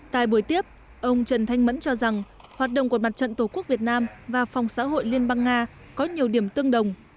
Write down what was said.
tại buổi tiếp ông trần thanh mẫn cho rằng hoạt động của mặt trận tổ quốc việt nam và phòng xã hội liên bang nga có nhiều điểm tương đồng